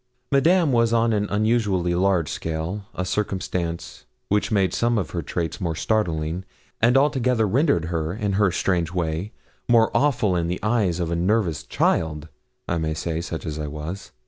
Madame was on an unusually large scale, a circumstance which made some of her traits more startling, and altogether rendered her, in her strange way, more awful in the eyes of a nervous child, I may say, such as I was.